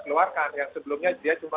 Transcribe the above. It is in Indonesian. keluarkan yang sebelumnya dia cuma